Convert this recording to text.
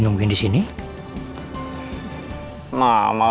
pak kemana pak